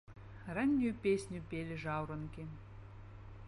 Раннюю песню пелі жаўранкі.